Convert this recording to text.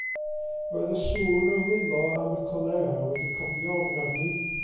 Roedd y sŵn yr wylo am y colera wedi codi ofn arni.